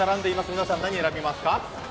皆さん、何、選びますか？